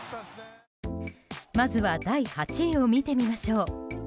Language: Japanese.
まずは第８位を見てみましょう。